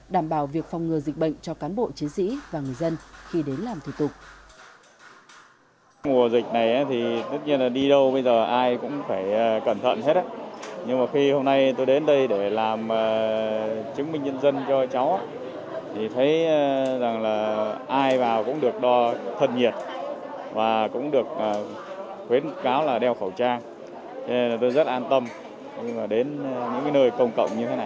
đảm bảo việc phòng ngừa dịch bệnh cho cán bộ chiến sĩ và người dân khi đến làm thủ tục